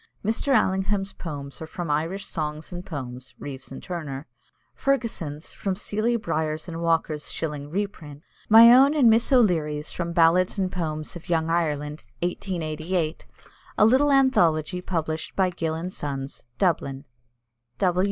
Mr. Allingham's poems are from Irish Songs and Poems (Reeves and Turner); Fergusson's, from Sealey, Bryers, & Walker's shilling reprint; my own and Miss O'Leary's from Ballads and Poems of Young Ireland, 1888, a little anthology published by Gill & Sons, Dublin.